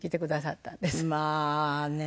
まあねえ。